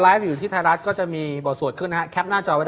เล็กเล็กเล็กเล็กเล็กเล็กเล็กเล็กเล็ก